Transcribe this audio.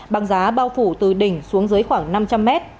băng giá bao phủ từ đỉnh xuống dưới khoảng năm trăm linh mét